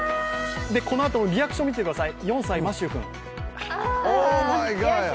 このあと、リアクションを見てください、４歳のマシュー君。